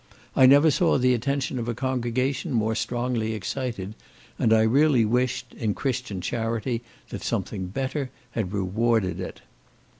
I never saw the attention of a congregation more strongly excited, and I really wished, in Christian charity, that something better had rewarded it.